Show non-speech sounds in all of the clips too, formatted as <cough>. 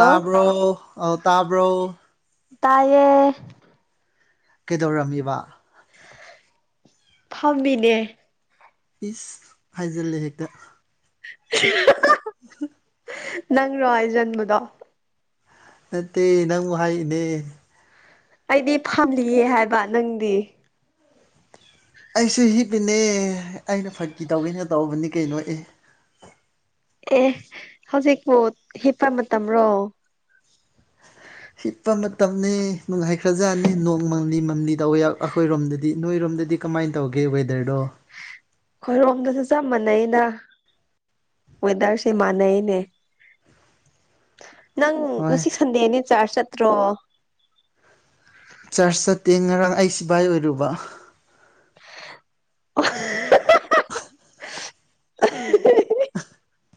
ꯑꯣ ꯑ ꯇꯥꯕ꯭ꯔꯣ ꯇꯥꯏꯌꯦ ꯀꯩꯗꯧꯔꯝꯃꯤꯕ ꯐꯝꯃꯤꯅꯦ ꯏꯁ ꯍꯥꯏꯖꯤꯜꯂꯦ ꯍꯦꯛꯇ <unintelligible> <unintelligible> ꯅꯪꯔꯣ ꯍꯥꯏꯖꯟꯕꯗꯣ ꯅꯠꯇꯦ ꯅꯪꯕꯨ ꯍꯥꯏꯔꯤꯅꯦ ꯑꯩꯗꯤ ꯐꯝꯂꯤꯌꯦ ꯍꯥꯏꯕ ꯅꯪꯗꯤ ꯑꯩꯁꯨ ꯍꯤꯞꯂꯤꯅꯦ ꯑꯩꯅ ꯐꯥꯒꯤ ꯇꯧꯒꯦꯅ ꯇꯧꯕꯅꯤ ꯀꯩꯅꯣ ꯑꯦ ꯑꯦ ꯑꯦ ꯍꯧꯖꯤꯛꯄꯣ ꯍꯤꯞꯄ ꯃꯇꯝꯔꯣ ꯍꯤꯞꯄ ꯃꯇꯝꯅꯦ ꯅꯨꯡꯉꯥꯏꯈ꯭ꯔꯖꯥꯠꯅꯤ ꯅꯣꯡ ꯃꯪꯂꯤ ꯃꯪꯂꯤ ꯇꯧꯕꯌꯥꯎ ꯑꯈꯣꯏꯔꯣꯝꯗꯗꯤ ꯅꯣꯏꯔꯣꯝꯗꯗꯤ ꯀꯃꯥꯏ ꯇꯧꯒꯦ ꯋꯦꯗꯔꯗꯣ ꯈꯣꯏꯔꯣꯝꯗꯖꯨ ꯆꯞ ꯃꯥꯟꯅꯩꯩꯅ ꯋꯦꯗꯔꯁꯦ ꯃꯥꯟꯅꯩꯅꯦ ꯅꯪ ꯍꯣꯏ ꯉꯁꯤ ꯁꯟꯗꯦꯅꯤ ꯆꯥꯔꯖ ꯆꯠꯇ꯭ꯔꯣ ꯆꯥꯔꯆ ꯆꯠꯇꯦ ꯉꯔꯥꯡ ꯑꯩ ꯁꯤꯚꯥꯏ ꯑꯣꯏꯔꯨꯕ <unintelligible> <unintelligible> <unintelligible>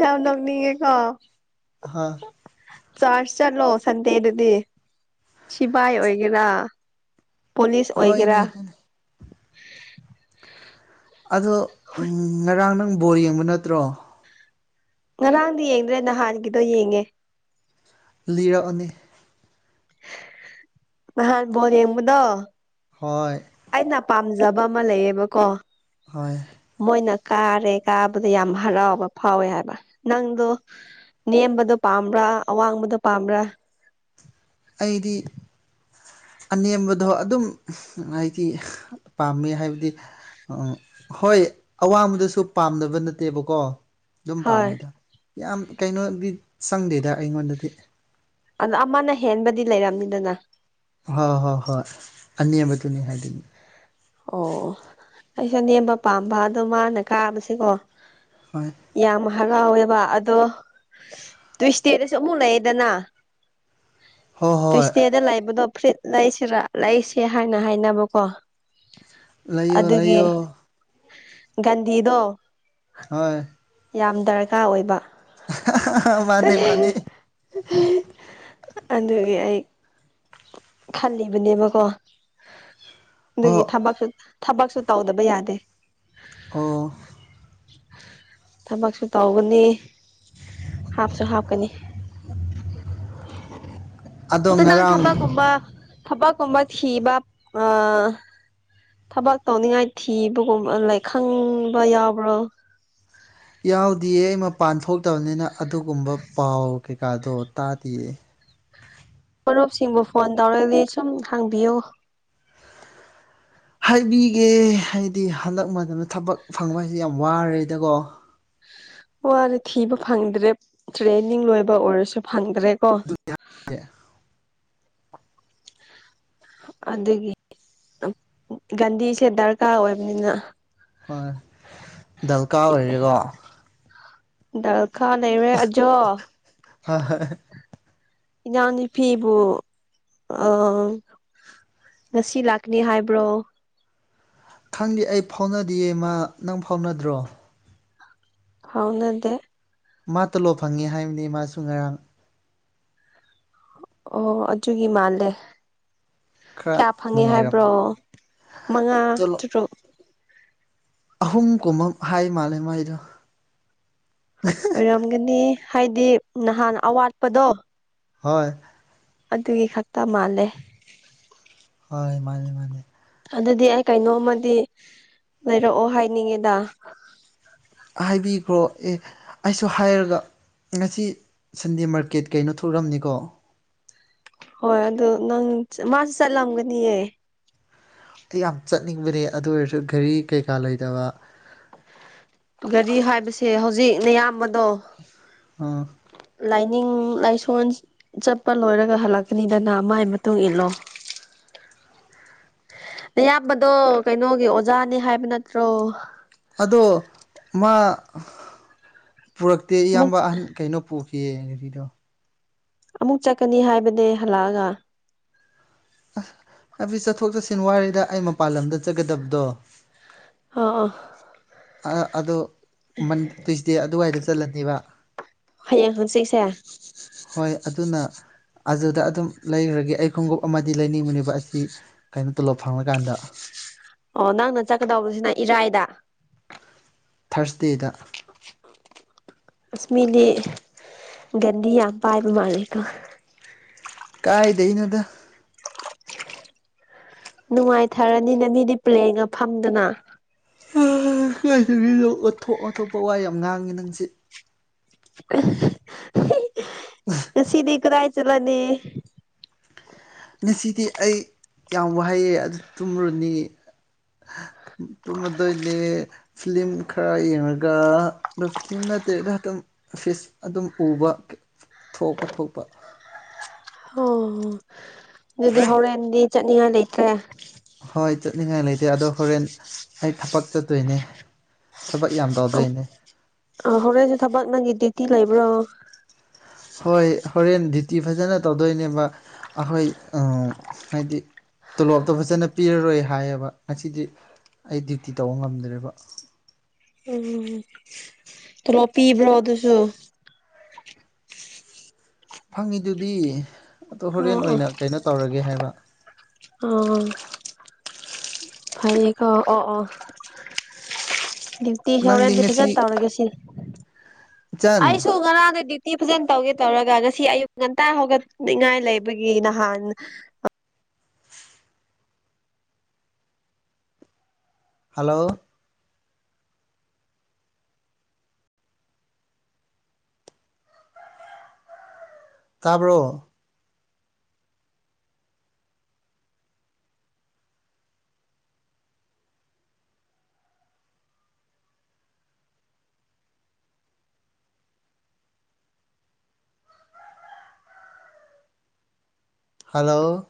ꯌꯥꯝ ꯅꯣꯛꯅꯤꯡꯉꯦ ꯀꯣ ꯍꯥꯥ ꯆꯥꯔꯆ ꯆꯠꯂꯣ ꯁꯟꯗꯦꯗꯗꯤ ꯁꯤꯕꯥꯥꯏ ꯑꯣꯏꯒꯦꯔ ꯄꯨꯂꯤꯁ ꯑꯣꯏꯒꯦꯔ ꯍꯣꯏꯅꯦ ꯍꯣꯏꯅꯦ ꯑꯗꯨ ꯎꯝ ꯉꯔꯥꯡ ꯅꯪ ꯕꯣꯜ ꯌꯦꯡꯕ ꯅꯠꯇ꯭ꯔꯣ ꯉꯔꯥꯡꯗꯤ ꯌꯦꯡꯗ꯭ꯔꯦ ꯅꯍꯥꯟꯒꯤꯗꯣ ꯌꯦꯡꯉꯦ ꯂꯤꯔꯛꯑꯣꯅꯦ ꯥꯉꯍꯥꯟ ꯕꯣꯜ ꯌꯦꯡꯕꯗꯣ ꯍꯣꯏ ꯑꯩꯅ ꯄꯥꯝꯖꯕ ꯑꯃ ꯂꯩꯌꯦꯕꯀꯣ ꯍꯣꯏ ꯃꯣꯏꯅ ꯀꯥꯔꯦ ꯀꯥꯕꯗ ꯌꯥꯝ ꯍꯔꯥꯎꯕ ꯐꯥꯎꯋꯦ ꯍꯥꯏꯕ ꯅꯪꯗꯣ ꯅꯦꯝꯕꯗꯣ ꯄꯥꯝꯕ꯭ꯔ ꯑꯋꯥꯡꯕꯗ ꯄꯥꯝꯕ꯭ꯔ ꯑꯩꯗꯤ ꯑꯅꯦꯝꯕꯗꯣ ꯑꯗꯨꯝ ꯍꯥꯏꯗꯤ ꯄꯥꯝꯃꯦ ꯍꯥꯏꯕꯗꯤ ꯑꯪ ꯍꯣꯏ ꯑꯋꯥꯕꯗꯨꯁꯨ ꯄꯥꯝꯗꯕ ꯅꯠꯇꯦꯕꯀꯣ ꯑꯗꯨꯝ ꯍꯣꯏ ꯄꯥꯝꯃꯦꯗ ꯌꯥꯝ ꯀꯩꯅꯣꯗꯤ ꯆꯪꯗꯦꯗ ꯑꯩꯉꯣꯟꯗꯗꯤ ꯑꯗꯣ ꯑꯃꯅ ꯍꯦꯟꯕꯗꯤ ꯂꯩꯔꯝꯅꯤꯗꯅ ꯍꯣꯏ ꯍꯣꯏ ꯍꯣꯏ ꯑꯅꯦꯝꯕꯗꯨꯅꯤ ꯍꯥꯏꯗꯤ ꯑꯣ ꯑꯣ ꯑꯩꯁꯨ ꯑꯅꯦꯝꯕ ꯄꯥꯝꯕ ꯑꯗꯣ ꯃꯥꯅ ꯀꯥꯕꯁꯦꯀꯣ ꯍꯣꯏ ꯌꯥꯝ ꯍꯔꯥꯎꯋꯦꯕ ꯑꯗꯣ ꯇꯨꯏꯁꯗꯦꯗꯁꯨ ꯑꯃꯨꯛ ꯂꯩꯌꯦꯗꯅ ꯍꯣꯏ ꯍꯣꯏ ꯇꯨꯏꯁꯗꯦꯗ ꯂꯩꯕꯗꯣ ꯐ꯭ꯔꯤꯠ ꯂꯩꯁꯤꯔꯥ ꯂꯩꯁꯦ ꯍꯥꯏꯅ ꯍꯥꯏꯅꯕꯀꯣ ꯂꯩꯌꯣ ꯑꯗꯨꯒꯤ ꯂꯩꯌꯣ ꯒꯥꯟꯙꯤꯗꯣ ꯍꯣꯏ ꯌꯥꯝ ꯗꯔꯀꯥꯔ ꯑꯣꯏꯕ ꯃꯥꯅꯦ ꯃꯥꯅꯦ ꯑꯗꯨꯒꯤ ꯑꯩ ꯈꯜꯂꯤꯕꯅꯦꯕꯀꯣ ꯑꯗꯨꯒꯤ ꯑꯣ ꯊꯕꯛꯁꯨ ꯊꯕꯛꯁꯨ ꯇꯧꯗꯕ ꯌꯥꯗꯦ ꯑꯣ ꯊꯕꯛꯁꯨ ꯇꯧꯒꯅꯤ ꯍꯥꯞꯁꯨ ꯍꯥꯞꯀꯅꯤ <inaudible> ꯑꯗꯨ ꯅꯪ ꯉꯔꯥꯡ ꯊꯕꯛꯀꯨꯝꯕ ꯊꯕꯛꯀꯨꯝꯕ ꯊꯤꯕ ꯑꯥ ꯊꯕꯛ ꯇꯧꯅꯤꯡꯉꯥꯏ ꯊꯤꯕꯒꯨꯝꯕ ꯂꯩ ꯈꯪꯕ ꯌꯥꯎꯕ꯭ꯔꯣ ꯌꯥꯎꯗꯤꯌꯦ ꯑꯩ ꯃꯄꯥꯟ ꯊꯣꯛꯇꯕꯅꯤꯅ ꯑꯗꯨꯒꯨꯝꯕ ꯄꯥꯎ ꯀꯩꯀꯥꯗꯣ ꯇꯥꯗꯤꯌꯦ ꯃꯔꯨꯞꯁꯤꯡꯕꯨ ꯐꯣꯟ ꯇꯧꯔꯗꯤ ꯁꯨꯝ ꯍꯪꯕꯤꯌꯣ ꯍꯥꯏꯕꯤꯒꯦ ꯍꯥꯏꯗꯤ ꯍꯟꯗꯛ ꯃꯇꯝꯗ ꯊꯕꯛ ꯐꯪꯕ ꯍꯥꯏꯖꯦ ꯌꯥꯝ ꯋꯥꯔꯦꯗꯀꯣ ꯋꯥꯔꯦ ꯊꯤꯕ ꯐꯪꯗ꯭ꯔꯦ ꯇ꯭ꯔꯦꯅꯤꯡ ꯂꯣꯏꯕ ꯑꯣꯏꯔꯁꯨ ꯐꯪꯗ꯭ꯔꯦ ꯀꯣ <unintelligible> ꯑꯗꯨꯒꯤ ꯒꯥꯟꯙꯤꯁꯦ ꯗꯔꯀꯥꯔ ꯑꯣꯏꯕꯅꯤꯅ ꯍꯣꯏ ꯗꯜꯀꯥꯔ ꯑꯣꯏꯔꯦꯀꯣ ꯗꯜꯈꯥ ꯂꯩꯔꯦ ꯑꯗꯣ ꯍꯣꯏ‌ ꯍꯣꯏ ꯏꯅꯥꯎ ꯅꯨꯨꯄꯤꯕꯨ ꯑꯥ ꯉꯁꯤ ꯂꯥꯛꯀꯅꯤ ꯍꯥꯏꯕ꯭ꯔꯣ ꯈꯪꯗꯦ ꯑꯩ ꯐꯥꯎꯅꯗꯤꯌꯦ ꯃꯥ ꯅꯪ ꯐꯥꯎꯅꯗ꯭ꯔꯣ ꯐꯥꯎꯅꯗꯦ ꯃꯥ ꯇꯣꯂꯣꯞ ꯐꯪꯉꯦ ꯍꯥꯏꯕꯅꯦ ꯃꯥꯁꯨ ꯉꯔꯥꯡ ꯑꯣ ꯑꯗꯨꯒꯤ ꯃꯥꯜꯂꯦ ꯈꯔ ꯀꯌꯥ ꯐꯪꯉꯦ ꯍꯥꯏꯕ꯭ꯔꯣ ꯅꯨꯡꯉꯥꯏꯔꯝꯃꯅꯤ ꯃꯉꯥ ꯇꯣꯂꯣꯞ ꯇꯔꯨꯛ ꯑꯍꯨꯝꯒꯨꯝꯕ ꯍꯥꯏ ꯃꯥꯜꯂꯦ ꯃꯥꯏꯗꯣ ꯑꯣꯏꯔꯝꯒꯅꯤ ꯍꯥꯏꯗꯤ ꯅꯍꯥꯟ ꯑꯋꯥꯠꯄꯗꯣ ꯍꯣꯏ ꯑꯗꯨꯒꯤ ꯈꯛꯇ ꯃꯥꯜꯂꯦ ꯍꯣꯏ ꯃꯥꯅꯦ ꯃꯥꯅꯦ ꯑꯗꯨꯗꯤ ꯑꯩ ꯀꯩꯅꯣꯝꯃꯥꯗꯤ ꯂꯩꯔꯛꯑꯣ ꯍꯥꯏꯅꯤꯡꯉꯦꯗ ꯍꯥꯏꯕꯤꯈ꯭ꯔꯣ ꯑꯦ ꯑꯩꯁꯨ ꯍꯥꯏꯔꯒ ꯉꯁꯤ ꯁꯟꯗꯦ ꯃꯥꯔꯀꯦꯠ ꯀꯩꯅꯣ ꯊꯣꯔ꯭ꯛꯝꯅꯤꯀꯣ꯫ ꯍꯣꯏ ꯑꯗꯨ ꯅꯪ ꯃꯥꯁꯨ ꯆꯠꯂꯝꯒꯅꯤꯌꯦ꯫ ꯑꯩ ꯌꯥꯝ ꯆꯠꯅꯤꯡꯕꯅꯦ ꯑꯗꯨ ꯑꯣꯏꯔꯁꯨ ꯘꯔꯤ ꯀꯩꯀꯥ ꯂꯩꯇꯕ꯫ ꯒꯥꯔꯤ ꯍꯥꯏꯕꯁꯦ ꯍꯧꯖꯤꯛ ꯅꯌꯥꯝꯕꯗꯣ ꯑꯥ꯫ ꯂꯥꯏꯅꯤꯡ ꯂꯥꯏꯁꯣꯟ ꯆꯠꯄ ꯂꯣꯏꯔꯒ ꯍꯜꯂꯛꯀꯅꯤꯗꯅ ꯃꯥꯏ ꯃꯇꯨꯡ ꯏꯜꯂꯣ꯫ <inaudible> ꯌꯥꯝꯕꯗꯣ ꯀꯩꯅꯣꯒꯤ ꯑꯣꯖꯥꯅꯤ ꯍꯥꯏꯕ ꯅꯠꯇ꯭ꯔꯣ꯫ ꯑꯗꯣ ꯃꯥ ꯄꯨꯔꯛꯇꯦ ꯑꯃꯨꯛ ꯏꯌꯥꯝꯕ ꯑꯍꯟ ꯀꯩꯅꯣ ꯄꯨꯈꯤ ꯀꯤꯌꯦ ꯉꯁꯤꯗꯣ꯫ ꯑꯃꯨꯛ ꯆꯠꯀꯅꯤ ꯍꯥꯏꯕꯅꯦ ꯍꯜꯂꯛꯑꯒ꯫ ꯑꯁ ꯍꯥꯏꯕꯗꯤ ꯆꯠꯊꯣꯛ ꯆꯠꯁꯤꯟ ꯋꯥꯌꯦꯗ ꯑꯩ ꯃꯄꯥꯟ ꯂꯝꯗ ꯆꯠꯀꯗꯕꯗꯣ꯫ ꯑ ꯑꯥ꯫ ꯑ ꯑꯗꯨ ꯃꯟ ꯇꯨꯋꯁꯗꯦ ꯑꯗꯨꯋꯥꯏꯗ ꯆꯠꯂꯅꯤꯕ꯫ ꯍꯌꯦꯡ ꯍꯪꯆꯤꯠꯁꯦ ꯍꯣꯏ ꯑꯗꯨꯅ ꯑꯗꯨꯗ ꯑꯗꯨꯝ ꯂꯩꯔꯨꯔꯒꯦ ꯑꯩ ꯈꯣꯡꯎꯞ ꯑꯃꯗꯤ ꯂꯩꯅꯤꯡꯕꯅꯤꯕ ꯑꯁꯤ ꯀꯩꯅꯣ ꯇꯣꯂꯣꯞ ꯐꯪꯂꯀꯥꯟꯗ꯫ ꯑꯣ ꯅꯪꯅ ꯆꯠꯀꯗꯧꯕꯁꯤꯅ ꯏꯔꯥꯏꯗ꯫ ꯊ꯭ꯔꯁꯗꯦꯗ꯫ ꯏꯁ ꯃꯤꯗꯤ ꯒꯟꯗꯤ ꯌꯥꯝ ꯄꯥꯏꯕ ꯃꯥꯜꯂꯦꯀꯣ꯫ ꯀꯥꯏꯗꯩꯅꯣꯗ꯫ ꯅꯨꯡꯉꯥꯏꯊꯔꯅꯤꯅ ꯃꯤꯗꯤ ꯄ꯭ꯂꯦꯟꯒ ꯐꯝꯗꯅ꯫ <unintelligible> ꯉꯁꯤꯗꯤ ꯅꯪ ꯑꯣꯊꯣꯞ ꯑꯊꯣꯞꯄ ꯋꯥ ꯌꯥꯝ ꯉꯥꯡꯉꯤ ꯅꯪꯁꯤ꯫ ꯎ <unintelligible> ꯎꯝ <unintelligible> ꯉꯁꯤꯗꯤ ꯀꯔꯥꯏ ꯆꯠꯂꯅꯤ꯫ ꯉꯁꯤꯗꯤ ꯑꯩ ꯌꯥꯝ ꯋꯥꯍꯩꯌꯦ ꯑꯗꯨ ꯇꯨꯝꯃꯨꯔꯅꯤꯌꯦ꯫ ꯇꯨꯝꯃꯗꯣꯏꯅꯦ꯫ ꯐꯤꯂꯤꯝ ꯈꯔ ꯌꯦꯡꯉꯒ ꯑꯗꯣ ꯐꯤꯂꯤꯝ ꯅꯠꯇꯦꯗ ꯑꯗꯨꯝ ꯐꯤꯁ ꯑꯗꯨꯝ ꯎꯕ ꯊꯣꯛꯄ ꯊꯣꯛꯄ꯫ ꯑꯣ ꯑꯗꯨꯗꯤ ꯍꯧꯔꯦꯟꯗꯤ ꯆꯠꯅꯤꯡꯉꯥꯏ ꯂꯩꯇ꯭ꯔꯦ꯫ ꯍꯣꯏ ꯆꯠꯅꯤꯡꯉꯥꯏ ꯂꯩꯇꯦ ꯑꯗꯣ ꯍꯣꯔꯦꯟ ꯑꯩ ꯊꯕꯛ ꯆꯠꯇꯣꯏꯅꯦ꯫ ꯊꯕꯛ ꯌꯥꯝ ꯇꯧꯗꯣꯏꯅꯦ꯫ ꯑ ꯍꯣꯔꯦꯟꯁꯨ ꯊꯕꯛ ꯅꯪꯒꯤ ꯗ꯭ꯌꯨꯇꯤ ꯂꯩꯕ꯭ꯔꯣ꯫ ꯍꯣꯏ ꯍꯣꯔꯦꯟ ꯗ꯭ꯌꯨꯇꯤ ꯐꯖꯅ ꯇꯧꯗꯣꯏꯅꯦꯕ ꯑꯩꯈꯣꯏ ꯑꯝ ꯍꯥꯏꯗꯤ ꯇꯣꯂꯣꯞꯇꯣ ꯐꯖꯅ ꯄꯤꯔꯔꯣꯏ ꯍꯥꯏꯌꯦꯕ ꯉꯁꯤꯗꯤ ꯑꯩ ꯗ꯭ꯌꯨꯇꯤ ꯇꯧꯕ ꯉꯝꯗ꯭ꯔꯦꯕ꯫ ꯎꯝ ꯇꯣꯂꯣꯞ ꯄꯤꯕ꯭ꯔꯣ ꯑꯗꯨꯁꯨ꯫ ꯐꯪꯉꯤꯗꯨꯗꯤ ꯑꯗꯣ ꯑꯣ ꯍꯣꯔꯦꯟ ꯑꯣ ꯑꯣꯏꯅ ꯀꯩꯅꯣ ꯇꯧꯔꯒꯦ ꯍꯥꯏꯕ꯫ ꯑꯣ꯫ ꯐꯩꯌꯦꯀꯣ ꯑꯣ ꯑꯣ꯫ ꯗ꯭ꯌꯨꯇꯤ ꯅꯪꯗꯤ ꯍꯧꯔꯦꯟꯗꯤ ꯉꯁꯤ ꯐꯖꯟ ꯇꯧꯔꯒꯦ ꯁꯤ ꯏꯆꯟ ꯑꯩꯁꯨꯨ ꯉꯔꯥꯡꯅ ꯗ꯭ꯌꯨ ꯇꯤ ꯐꯖꯅ ꯇꯧꯒꯦ ꯇꯧꯔꯒ ꯉꯁꯤ ꯑꯌꯨꯛ ꯉꯟꯇꯥ ꯍꯧꯒꯠꯅꯤꯉꯥꯏ ꯂꯩꯕꯒꯤ ꯅꯍꯥꯟ ꯍꯜꯂꯣ꯫ ꯇꯥꯕ꯭ꯔꯣ꯫ ꯍꯜꯂꯣ